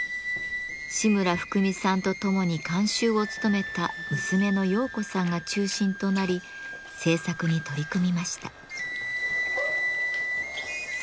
志村ふくみさんとともに監修を務めた娘の洋子さんが中心となり制作に取り組みました。